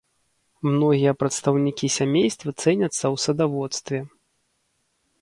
Многія прадстаўнікі сямейства цэняцца ў садаводстве.